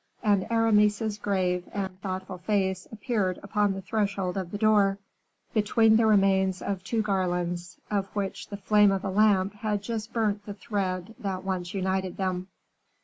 And Aramis's grave and thoughtful face appeared upon the threshold of the door, between the remains of two garlands, of which the flame of a lamp had just burnt the thread that once united them.